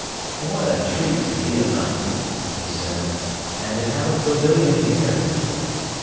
"What a treat to be a knight," he said, "and to have a pavilion here."